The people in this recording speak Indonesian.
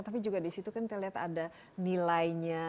tapi juga di situ kan kita lihat ada nilainya